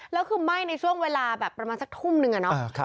แล้วคือไหม้ในช่วงเวลาแบบประมาณสักทุ่มนึงอะเนาะ